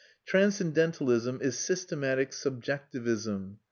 Transcendentalism is systematic subjectivism.